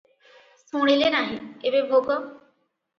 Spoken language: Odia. ଶୁଣିଲେ ନାହିଁ, ଏବେ ଭୋଗ ।"